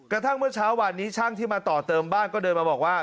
แล้ววันนี้ช่างที่มาต่อเติมบ้านก็เดินมาบอกว่า